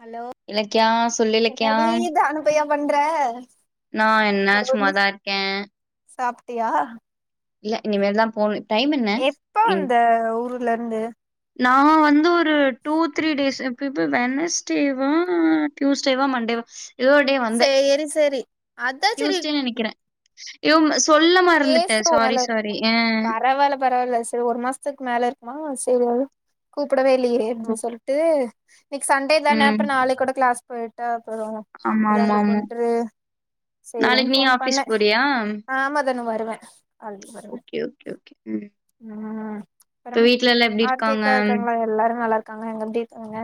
Hello Ilakkiya, சொல்லு இலக்கியா. என்னடி தானு பையா பண்ற நா என்ன சும்மாதா இருக்கே சாப்டியா இல்ல இனிமேல்தா போணு எப்ப வந்த ஊர்ல இருந்து நா வந்து ஒரு டூ த்ரீ டேஸ் எப் இப் வெனஸ்டேவா தியூஸ்டேவா மண்டேவா எதோ டே வந்த சேரி சேரி அதா சேரி தியூஸ்டே நெனக்கிற யோ உன சொல்ல மறந்துட்ட சாரி சாரி ஆ பரவால பரவால்ல செர் ஒரு மாச த்துக்கு மேல இருக்குமா சேரி வந்து கூப்டவேல்லியே ஓ! னு சொல்டு இனைக்கு சண்டே தான ம். அப்றோ நாளைக்கு கூட க்ளாஸ் போயிட்டு அப்பறோ எதாது ஆமாமாமா. இருக்குன்ட்டு சேரினு நாளைக்கு நீ ஃபோன் ஆஃபீஸ் பண்ணே போறியா? ஆமா [unintelligible] னு வருவ நாளைக்கி வருவ ஓகே, ஓகே, ஓகே. ம். ம் அப்றோ இப்ப வீட்ல எல்லாம் எப்படி இருக்காங்க? ஆர்த்திக்கா இருகாங்களா எல்லாரு நல்லாருக்காங்க அங்க எப்டி இருகீங்க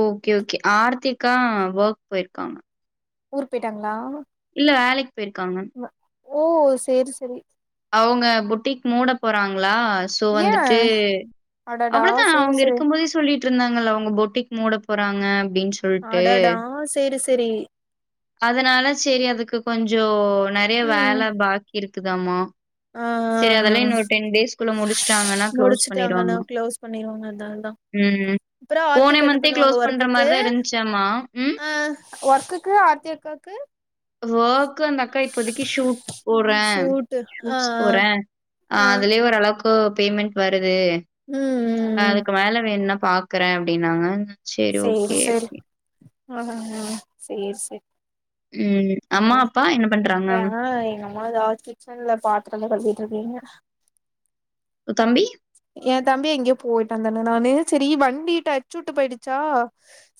ஓகே ஓகே ஆர்த்திக்கா வொர்க் போயிருகாங்க ஊர்க்கு போயிடாங்களா இல்ல வேலைக்கு போயிர்காங்க ஓ செர் செரி அவுங்க பொட்டிக் மூட போறாங்ளா சோ ஏ வந்துட்டு அடடா அவ்ளதா சேரி அவுங்க சேரி இருக்கும் போதே சொல்லி ட்டு இருந்தாங்கல அவுங்க பொட்டிக் மூட போறாங்க அப்டினு சொல்ட்டு அடடா சேரி சேரி அதுனால சேரி அதுக்கு கொஞ்சோ நெறைய ம் வேல பாக்கி இருக்குதாமா ஆ செரி அதெல்லா இன்னொரு டென் டேஸ்குள்ள முடிசுடாங்கனா க்ளோஸ் முடிச்சுட்டாங்கன்னா பண்ணிருவாங்க க்ளோஸ் பண்ணிருவாங்க அதனால தா ம் அப்றோ போன ஆர்த்திகா என்ன மந்தே பண்ணுவாங்க க்ளோஸ் பண்ற ஒர்க்குக்கு மாரிதா இருந்துசாமா ம் ஆ ஒர்க்குக்கு ஆர்த்தியக்காக்கு வொர்க்கு அந்த அக்கா இப்பதைக்கி ஷூட் போறே சூட்டு ஆ ஆ ஷூட்ஸ் போற ஆ அதுலே ஓரளவுக் கு பேமெண்ட் வருது ம் ம் ம் அதுக்கு மேல வேண்னா பாக்றே அப்டினாங்க சேரி சேரி ஆ ஆ சேரி சேரி ம் அம்மா அப்பா என்ன பண்றாங்க அதாவது கிச்சன்ல பாத்தரோ கழுவிட்டு இருக்காங்க ஒ தம்பி எ தம்பி எங்கேயோ போயிட்டாந்தானே நானு செரி வண்டி டச்சு விட்டு போயிடுச்சா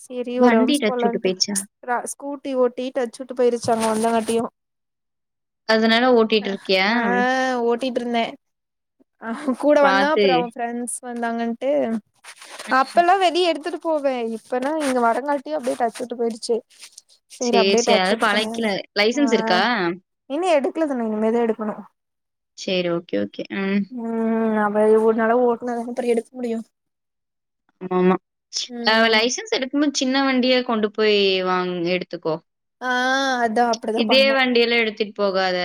செரி வண்டி ஒருரவுன்ஸ் டச்சூட்டு போலான்டு போயிருச்சா? அ ஸ்கூட்டி ஓட்டி டச்சு விட்டு போயிருச்சாங்க இந்தவாட்டியு அதனால ஓட்டிட்டு இருக்கியா? அ ஒட் சுத்திட்டு இருந்தே அ கூட வந்தா பாத்து அப்றோ அவ ஃப்ரெண்ட்ஸ் வந்தாங்கன்டு ம். அப்பூல்லா வெளிய எடுத்துட்டு போவே இப்பதா நீங்க வரங்காட்டியு அப்டியே டச்சுவிட்டு போச்சு சேரி சேரி அதெல்லா பழகிகலா ஆ லைசன்ஸ் இருக்கா இன்னு எடுக்லதனோ இனிமேதா எடுக்கணு செரி ஓகே ஓகே ம் ம் நம்ப இது ஒழுங்கான ஓட்னா தான எடுக்க முடியு ஆமா ம் லைசன்ஸ் எடுக்கும்போது சின்ன வண்டியா கொண்டு போய் வாங்கி எடுத்துக்கோ ஆ அதா அப்டிதா இதே பண்ணு வண்டியெல்லா எடுத்துட் போகாத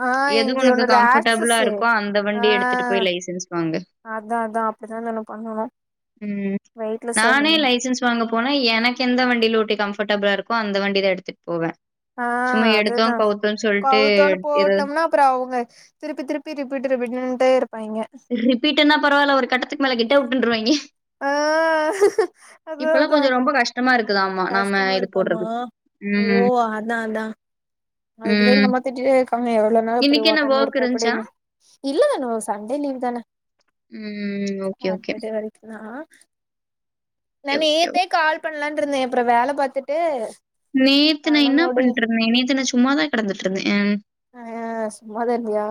ஆ எது என்து உனக்கு உன்னோடது கம்ஃபர்டபிளா ஆக்சஸு இருக்கோ அந்த ஆ வண்டி எடுத்துட்டு போய் லைசன்ஸ் வாங்கு அதா அதா அப்டித்தா நானு பண்ணணு ம் வெயிட்லெஸ்ஸா நானே லைசன்ஸ் வாங்க போன எனக்கு எந்த வண்டில ஓட்டி கஃபர்ட்டபுல இருக்கோ அந்த வண்டிதா எடுத்துட்டுப்போவ ஆ அதேதா சொல்ட்டு கவுதோன்னு ஏதோ போட்டம்னா அப்ற அவங்க திருப்பி திருப்பி ரிப்பீட் ரிப்பீடுன்டே இருப்பாய்ங்க ரிப்பீட்டுன்னா பரவால்ல ஒரு கட்டத்துக்கு மேல கெட் டவுட்னுருவாய்ங்க ஆ அதா அதா கொஞ்சம் ரொம்ப கஷ்டமா இருக்குதாமா, நாம கஷ்டமா இது இருக்காமா போடுறது. ஓ ம், அதா அதா அதுகுதா ம். எங்கம்மா திட்டிடே இருகாங்க எவ்ளா நாள் இப்டி இன்னைக்கு என்ன ஓட்டாம வொர்க் இருப்ப இருந்துச்சா? அப்படீன்னு இல்ல தானு சண்டே லீவு தான ம். ஓகே, ஓகே, சாட்டர்டே வர நா நா ஓகே, நேத்தே ஓகே. கால் பண்ணலானு இருந்தே அப்பற வேல பாத்துட்டு நேத்து நா பண்ண என்னா முடில பண்ட்ருந்த நேத்து நா சும்மாதா கெடந்துட்ருந்தே ஆ சுமாதருந்தியா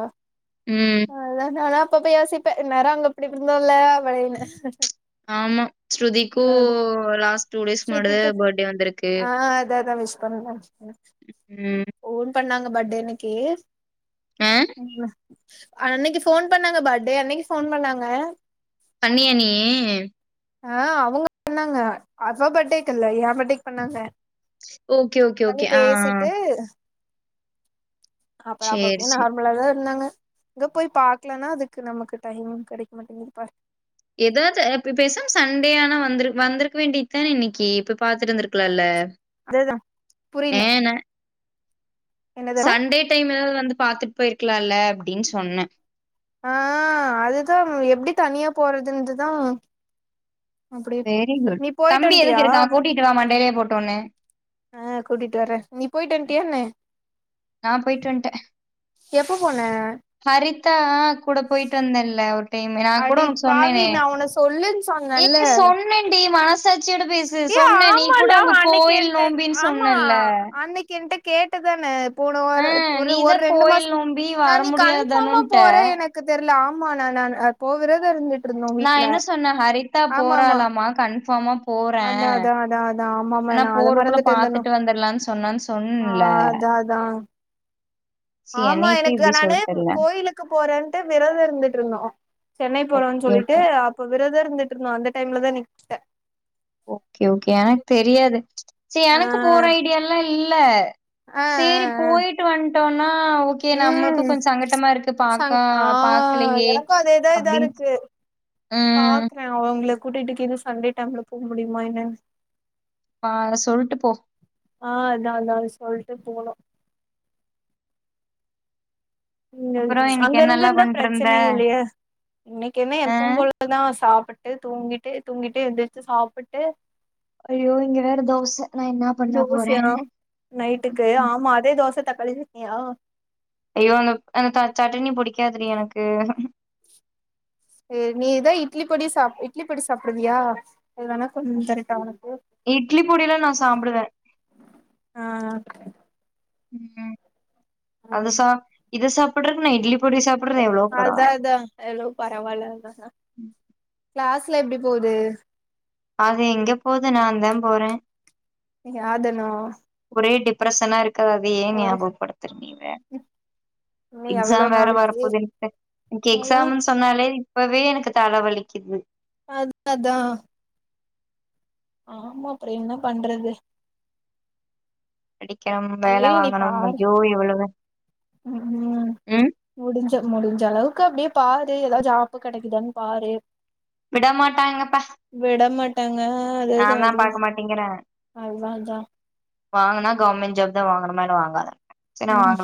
ம் அதா நாளா அப்பப்ப யோசிப்ப நேர அங்க அப்டி இருந்தோல்ல அப்டினு ஆமா ஸ்ருதிக்கு ல டூ டேஸ் முன்னாடிதா ஸ்ருதிக்கு பர்டே வந்து இருக்கு ஆ அதா அதா விஷ் பண்ணே ம் ஃபோன் பண்ணாங்க பர்டே அன்னைக்கி ஆ [unintelligible] அன்னைக்கு ஃபோன் பண்ணாங்க பர்டே அன்னைக்கு ஃபோன் பண்ணாங்க பண்ணியா நீயி ஆ அவங்க பண்ணாங்க அவ பர்டேக்கு இல்ல ஏ பா்டேக்கு பண்ணாங்க ஓகே, ஓகே, பண்ணி ஓகே. ஆ பேசிட்டு அப்ற அப்ற சரி, சரி. [unintelligible] இவளோ தா இருந்தாங்க இங்க போய் பாக்கலானா அதுக்கு நமக்கு டைமு கெடைக்க மாட்டேங்கது பாரு ஏதாவது பெ பேசாம சன்டே ஆனா வந்துரு வந்திருக்க வேண்டியதுதானே இன்னைக்கி போய் பாத்துட்டு வந்திருக்கலால்ல அதே தா புரியல சன்டே டைம் எதாவது வந்து பாத்துட்டு போயிருக்கலால்ல அப்டின்னு சொன்ன ஆ அதுதா எப்டி தனியா போறதுந்துதா வெரி குட் போயிட்டு தம்பி எதுக்கு வன்ட்டியா இருக்கா கூட்டிட்டுவா மண்டைலியே போட்டு ஒன்னு ஆ கூட்டிட்டு வர நீ போயிட்டு வந்துட்டியான்ன நா போயிட்டு வந்ட்ட எப்ப போன ஹரித்தா கூட போயிட்டு வந்தேன்ல ஒரு டைம் நா கூட அடி உனுக்கு பாவி சொன்னனே நா உன்ன சொல்லுன்னு ஏ சொன்னேல்ல சொன்ன சொன்னேன்டி மனசாச்சியோட பேசு ஏ சொன்னே நீ ஆமால கூட உங்க அன்னைக்கு கோயில் என்ட்ட நோம்பின்னு ஆமா சொன்னல்ல அன்னைக்கு கேட் கேட்டதானே போன ஆ ஒரு ஒரு நீதா ஒரு ரெண்டு கோயில் மாசோ நோம்பி நா வர நீ கன்பார்மா முடியாதானுன்ட்ட போறே எனக்கு தெரில ஆமா ந நா ஆ போவறத இருந்துட்டு இருந்தோ நா வீட்ல என்ன சொன்ன ஹரித்தா ஆமா ஆமா போறலாமா கன்ஃபார்மா போறே அதா அதா அதா ஆமாமா ஆனா நா அத போறக்குள்ள மறந்துட்டே தனோ பாத்துட்டு வந்துரலான்னு சொன்னான்னு ஆ சொன்னேன்ல அதா அதா சி ஆமா என்னைய போய் எனக்கு இப்டி நானு சொல்ட்டல்ல கோயிலுக்கு போறேன்ட்டு விரதோ இருந்துட்ருந்தோ சென்னை போறோன்னு ஓகே ஓகே சொல்லிட்டு அப்ப விரதோ இருந்துட்ருந்தோ அந்த டைம்லதா நீ கூப்ட்ட ஓகே ஓகே எனக்கு தெரியாது செரி ஆ எனக்கு போற ஐடியால்லா இல்ல ஆ ஆ சேரி ஆ போயிட்டு வந்ட்டோனா நம்மளுக்கு ம் கொஞ்சோ சங்கட்டமா இருக்கு சங் பாக்கா ஆ பாக்கலயே எனக்கு அதேதா இதா அப்டின்னு இருக்கு பாக்குறே அவுங்கள கூட்டிட்டு கீது சண்டே டைம்ல போ முடியுமா என்னன்னு ஆ சொல்ட்டு போ ஆ அதா அதா சொல்ட்டு போனு இங்க அப்புறோ இன்னைக்கு அங்க என்னல்லா இருந்துருந்தா பண்ட்ருந்த பிரச்சனை இல்லையே இன்னைக்கி என்ன ஆ எப்ப போல அப்பதா சாப்பிட்டு தூங்கிட்டு தூங்கிட்டு எந்திருச்சு சாப்பிட்டு ஐயோ இங்க வேற தோச நா என்னா பண்ண போறே தோசையா நைட்டுக்கு ஆமா அதே தோச தக்காளி செட்னியா ஐயோ அந்த அந்த சட்டினி புடிக்காது டீ எனக்கு அ நீ தா இட்லி பொடி சா இட்லி பொடி சாப்பிடுவியா இதுவேனா கொண்டு வந்து தரட்டா உனக்கு இட்லி பொடிலா நா சாப்பிடுவே ஆ ம் அது ஆ சா இத சாப்பிடுறக்கு நா இட்லி பொடி சாப்பிடுறது எவ்ளோ அதா பரவால்ல அதா எவ்ளோ பரவால்லதா கிளாஸ்லா எப்டி போது அது எங்க போது நா தா போறே யாதனு ஒரே டிப்ரஷனா இருக்க அத ஏ ஒரு ஞாபகப்படுத்தர நீீ வேற இன்னு எவ்ளோ எக்ஸாம் வேற நாளைக்கு வரப்போது என எனக் அதா எக்ஸாம் சொன்னாலே இப்பவே எனக்கு தல வலிக்குது அத் அதா ஆமா அப்புற என்ன பண்றது படிக்கனும் ஏரி நீ பாரு ம் ம் முடிஞ்ச முடிஞ்ச அளவுக்கு அப்டியே பாரு ஏதாவது ஜாப்பு கெடைக்குதான்னு பாரு விட மாட்டாங்கப்பா விடமாட்டாங்க அதேதா நான் தான் அதுவு பாக்க மாட்டேங்கிறே அதுதா அதா வாங்குனா கவர்மெண்ட் ஜாப் தா வாங்கனுமேனு வாங்க அத ம்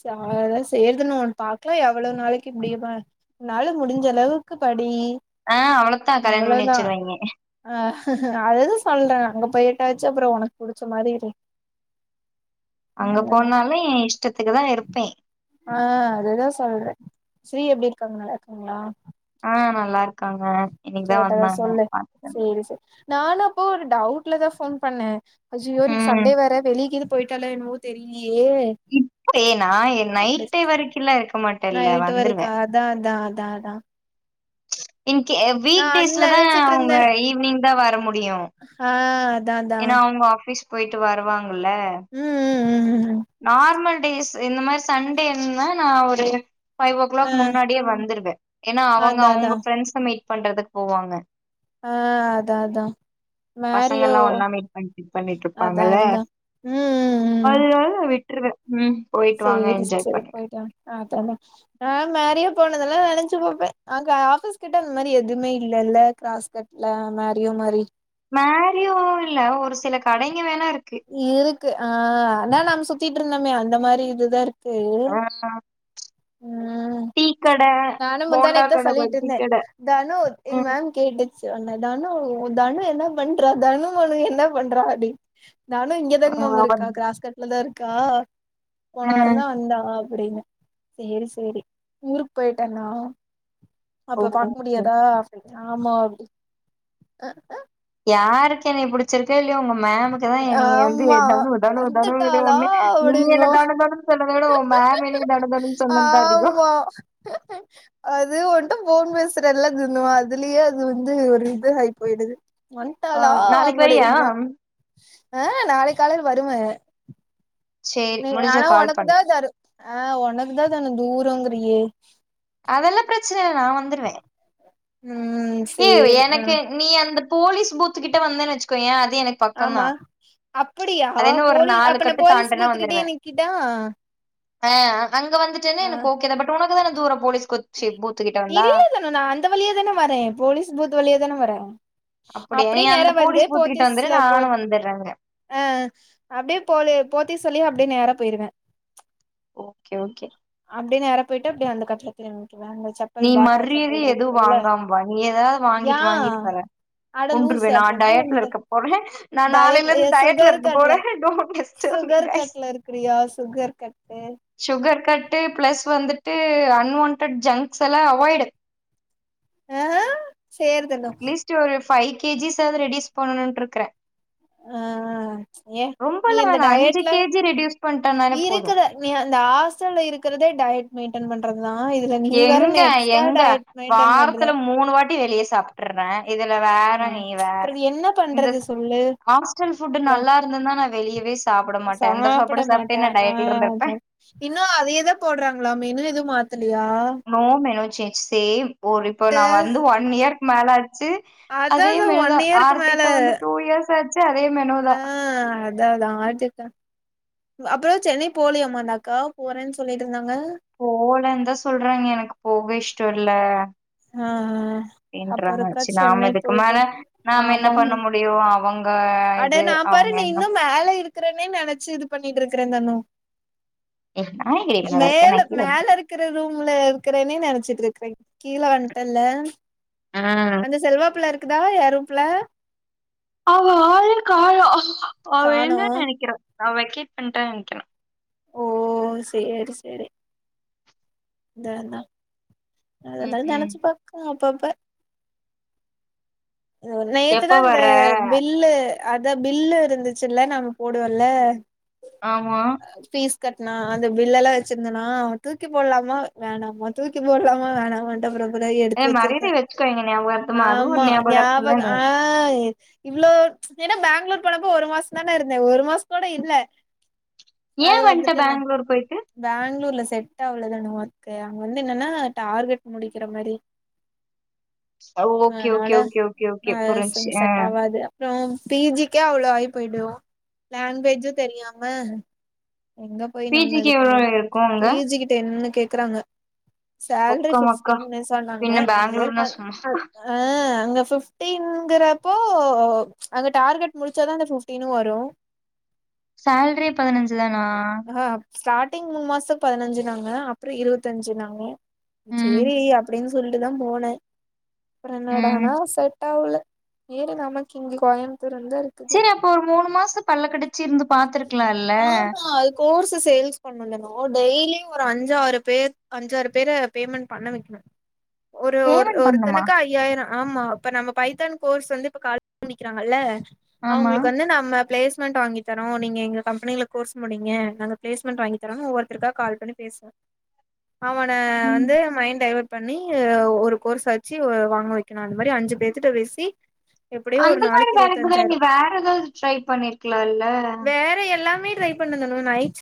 சா எதா சேயறது ஒன் பாக்கலா எவ்வள நாளைக்கி இப்டி இருப்பா உன்னாலு முடிஞ்ச அளவுக்கு படி ஆ அவ்வளவுதான் கல்யாணம் பண்ணி அவ்வளதா வச்சிருவாய்ங்க ஆ அதுதா சொல்றே அங்க போயிட்டாச்சு அப்புறோ உனக்கு புடிச்ச மாரி இரு அங்க அவ்ளதா போனாலு எ இஷ்டத்துக்கு தா இருப்பே ஆ அதுதா சொல்றே ஸ்ரீ எப்டி இருக்காங்க நல்லா இருக்காங்களா ஆ நல்லா இருக்காங்க இன்னைக்குதா கேட்டதா வந்தாங்க சொல்லு பாத்த சேரி சேரி நானு அப்போ ஒரு டவுட்ல தா ஃபோன் பண்ணே அய்யோ இன்னிக்கி ம் சண்டே வேற வெளிய கீது போயிட்டாலோ என்னவோ தெரியிலையே இப்ப ஏ நா என் நைட்டு வரைக்குல்ல இருக்க மாட்டேல்ல நைட்டு வரைக்கு வந்துருவே அதா அதா அதா அதா இன்கே நான் வீக்டேஸ்ல தா நெனச்சிட்டு அவ்ங்க இருந்தே ஈவினிங் தா வர முடியு ஆ அதா அதா ஏன்னா அவங்க ஆஃபிஸ் போயிட்டு வருவாங்கல ம் ம் ம் ம் ம் நார்மல் டேஸ் இந்த மாரி சண்டேன்னா நா ஒரு பைவ் ஓ ஆ கிளாக் முன்னாடியே வந்துருவே ஏன்னா அவங்க அதா அதா அவ்ங்க பிரெண்ட்ஸ மீட் பண்றதுக்கு போவாங்க ஆ அதா அதா பசங்க மேரியோ எல்லா ஒன்னா மீட்ப் பண்ணட்டு அதா இருப்பாங்கல அதா ம் ம் அதனால விட்ருவே ம் போயிட்டு வாங்க செரி என்ஜாய் சிஸ்டர் பண்ணுங்க போயிட்டா அதான ஆ மேரியா போனதெல்லா நெனச்சு பாப்பே அங்க ஆபீஸ் கிட்ட அந்த மாரி எதுவுமே இல்ல இல்ல கிராஸ் கட் இல்ல மாரியோ மறி மேரியோ இல்ல ஒரு சில கடைங்க வேணா இருக்கு இருக்கு ஆ ஆனா நாம சுத்திட்ருந்தோமே அந்த மாரி இதுதா இருக்கு ஆ ம் இக்கடன்னு நானு முந்தானேத்தே சொல்லிட்ருந்தே தனு எங்க ம் மேம் கேட்டு [unintelligible] தனு தனு என்ன பண்றா தனு ஒன்னா என்ன பண்றா அப்படினு தனு இங்கதாங்க மேம் இருக்கா கிராஸ் கட்ல தா இருக்கா போன ஆ வாரந்தா வந்தா அப்படின்னு செரி செரி ஊருக்கு போயிட்டேனா அப்ப பாக்க ஓ முடியாதா அப்டி ஆமா அப்டி அ யாருக்கு என்னைய புடிச்சிருக்கோ இல்லையோ உங்க மேம்க்கு தா என்னிய வந்து ஆமா தனு தனு தனுணுது வந்துட்டாளா ஒன்னே நீ என்ன அப்டிங்கு தனு தனு சொன்னத விட ஓ மேம் என்னிய தனுனு சொன்னாதா அதிக ஹ அது வந்து போன் பேசுறல்ல அது வந்து அதுலயே அது வந்து ஒரு இது ஆகி போயிடுது ஆ வண்ட்டாளா நாளைக்கு வரியா அப்டின்னு ஆ நாளைக் காலையில வருவே சேரி நீ முடிஞ்சா ஆனா கால் உனக்கு பண்ணு தா தனு ஆ உனக்குதா தனு தூரங்கிறியே அதெல்லா பிரச்சனை இல்ல நா வந்துடுவே ம் ஏய் சேரி ஆ எனக்கு நீ அந்த போலீஸ் பூத்து கிட்ட வந்தன்னு வச்சுக்கோயே அது எனக்கு ஆமா பக்கம்தான் அப்படியா அது என்ன ஒரு போலீஸ் நாலு அப்ப நா கட்டு போலீஸ் தாண்டுனா பூத்துக்கிட்டே வந்துருவேன் நிக்குதா ஆ அங்க வந்துட்டனே எனக்கு ஓக்கேத பட் உனக்கு தான தூர போலீஸ் கொச்சு பூத்துக்கிட்ட வந்தா இல்ல தனு நா அந்த வழியா தானே வரே போலீஸ் பூத் வழியே தானே வரே அப்படியா நீ அப்டியே நேரா அந்த வந்து போலீஸ் பூத்து கிட்ட வந்துரு போத்திஸ்ல போ நானும் வந்துடுறேங்க ஆ அப்டியே போலி போத்திஸ் சொல்லி வழியே அப்டியே நேர போயிருவே ஓகே ஓகே அப்டியே நேரா போயிட்டு அப்டி அந்த கடல திரும்பக்கு [unintelligible] சப்பல் நீ பாட்டா சப்பல் மரியாதை எதுவும் இருக்குள்ள வாங்காம வா. நீ ஏதாவது யா வாங்கிட்டு வாங்கிட்டு வர. கொன்றுவே அடலூசு அப்பற நான் எப்டி டயட்ல வந்த இருக்க போறேன். நான் டயட்டு நாளையிலருந்து டயட்ல சுகர் இருக்க கட்ல போறேன். Don't disturb me sugar guys. கட்ல இருக்கிறியா sugar cut sugar cut plus வந்துட்டு அன்வான்டட் ஜங்க்ஸ் எல்லா அவாய்ட் சேரு தனோ டு ஒரு ஃபைவ் கேஜிஸ் ஆது ரெடியூஸ் பண்ணணுனுட்ருக்கறே ஆ ஏ நீ ரொம்பலா இந்த வேணா அஞ்சு டயட்ல கேஜி ரெடியூஸ் பண்ட்டேணாளே போது இருக்குற நீ அந்த ஹாஸ்டல் இருக்கிறதே டய மெயின்டன் பண்றதுதா இதுல நீ வேற இன்னு எக்ஸ்ட்ரா டயட் மெயின்டென் பண்ற மூணு வாட்டி வெளியே சாப்ட ஆ அப்பற நீ என்ன இந்த பண்றது சொல்லு ஹாஸ்டல் ஃபுட்டு அப்புற நல்லா இருந்தன்னா நா வெளியவே சாப்ட மாட்டே இந்த சாப்பிட ஃபுட் மாட்ட சாப்ட்டே நா ஆ டயட்ல இருந்ருப்பே அத இன்னு அதேதா போடுறாங்களாமே மெனு எது மாத்தலயா னோ மே சேன்ஞ் ஷேம் இப்போ நா வந்து ஒன் இயர்க்க மேல ஆச்சு அதா அதே அதா ஒன் மெனோதா இயருக்கு மேல ஆர்த்திக்கு வந்து டூ இயர்ஸ் ஆச்சு அதே மெனோதா அடடா [unintelligible] அப்பறோ சென்னை போலியமாடா அக்கா போறேன்னு சொல்லிட்டு இருந்தாங்க போகலந்தா சொல்றாங்க எனக்கு போக இஷ்டோ இல்ல ஆ அப்போ அப்டின்றாங்க ஒருக்கா ஆச்சு நாம சென்னை இதுக்கு மேல போயிட்டு நாம என்ன ஆமாமா பண்ண முடியு அவங் அட நா பாரு நீ இன்னு மேல இருக்கிறன்னே நினைச்சு இது பண்ணிட்டு இருக்கிறே தனோ அ மேல மேல இருக்கிற ரூம்ல இருக்கறேனே நெனச்சிட்டு இருக்கறேங் கீழே வந்டல்ல ம் அந்த செல்வாப்புள்ள இருக்குதா ஏ ரூம் குள்ள அவள் ஆளே கானோ அவ காணோ இல்லனு நெனைக்கிறே வெக்கேட் பண்ணிட்டா நெனைக்கிறே ஓ செரி செரி தெனா அதெல்லா ம் ம் நெனச்சு பாக்க அப்பப்ப நேத்துதா எப்ப இந்த வர்ற பில்லு அதா பில்லு இருந்துச்சுல்ல நம்ம போடுவோல்ல ஆமா பீஸ் கட்டுனா அந்த பில்ல எல்லா வச்சிருந்தோனா அத தூக்கி போட்லாம வேணாமா தூக்கி போட்லாமா வேணாமான்டு அப்புற கூட ஏ எடுத்து வச்சிருக்கே மரியாதைய வச்சுக்கோங்க ஞாபகார்த்தமா அதுவு ஒரு ஆமா ஞாபகார்த்தம் நியாபகோ தானே ஆ இவ்ளோ ஏன்னா பெங்களூர் போனப்போ ஒரு மாசோந் தான இருந்தே ஒரு மாசங்கூட இல்ல ஏ அது வந்ட்ட வந்துட்டே நா பேங்களூர் போயிட்டு பேங்களூர்ல செட் ஆகலதானு ஒர்க்கு அங்க வந்து என்னன்னா டார்கெட் முடிக்கிற மாரி [inaudible] ஓகே அதனால ஓகே ஓகே ஓகே ஓகே புரிஞ்சு அ து அப்றோ பி ஜி க்கே அவ்ளோ ஆகி போய்டு லாங்வேஜு தெரியாம எங்க போய் பி நம்ம ஜிக்கு இது எவ்ளோ பண்ணோ இருக்கு அங்க பி ஜி கிட்ட என்னு கேக்குறாங்க சேல்ரி ஒக்க மக்கா பிஃப்டீன் சொன்னாங்க பின்ன பேங்களூர்னா அத் சும்மா அ அங்க பிஃப்டிங்கிறப்போ அங்க டார்கெட் முடுச்சாதா அந்த பஃபிப்டீனு வரும் [inaudible] சேல்ரி பதினஞ்சு தானா ஸ்டாடிங் மூன் மாசத்துக்கு பதினஞ்சுனாங்க அப்றோ இருவத்தஞ்சுனாங்க ம் செரி அப்டின்னு சொல்லிட்டுதா போனே அப்பறோ ம் என்னடானா செட்டாவுல ஏறி நமக்கு இங்க கோயம்புத்தூர் வந்து இருக் செரி அப்போ ஒரு மூணு மாசோ பல்ல கடுச்சு இருந்து பாத்துருக்கலா இல்ல கோர்ஸு சேல்ஸ் பண்ணனு டெய்லியு ஒரு அஞ்சு ஆறு பேர் அஞ்சாறு பேர பேமெண்ட் பண்ண வைக்கணு ஒரு ஒரு பேமெண்ட் பண்ணுமா ஒருத்தனுக்கு ஐயாயிரோ ஆமா இப்ப நம்ம பைத்தான் கோர்ஸ் வந்து இப்ப கால் பண்ணிக்கிறாங்கல்ல ஆமா அவங்களுக்கு வந்து நம்ம பிளேஸ்மெண்ட் வாங்கி தரோ நீங்க எங்க கம்பெனில கோர்ஸ் முடிங்க நாங்க பிளேஸ்மெண்ட் வாங்கி தரோனு ஒவ்வொருத்தருக்கா கால் பண்ணி பேசுவோ அவன ம் வந்து மைண்ட் டைவட் பண்ணி ஒரு கோர்ஸாச்சு வ வாங்க வைக்கணு அந்த மாரி அஞ்சு பேத்துட்ட பேசி எப்டியோ ஒரு அந்த மாரி நாளைக்கு வேலைக்கு பதிலா இருபத்தஞ்சாயிர நீங்க வேற எதாவது ட்ரை பண்ணிருக்கலா இல்ல வேற எல்லாமே ட்ரை பண்ணு தனோ நைட்